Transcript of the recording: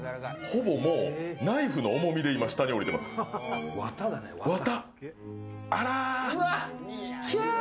ほぼナイフの重みで下におりてます、綿。